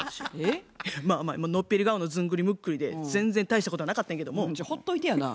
のっぺり顔のずんぐりむっくりで全然大したことはなかったんやけども。じゃあほっといてやな。